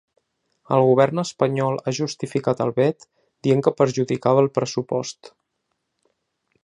El govern espanyol ha justificat el vet dient que perjudicava el pressupost.